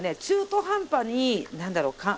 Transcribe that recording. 中途半端になんだろう？